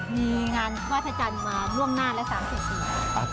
มีงานข้ามกระทะจันทร์มาร่วมหน้าและ๓๐ชีวิต